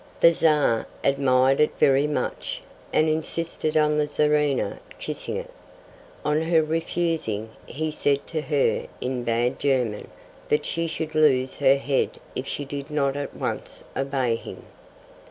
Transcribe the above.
The Czar admired it very much, and insisted on the Czarina kissing it. On her refusing, he said to her in bad German that she should lose her head if she did not at once obey him.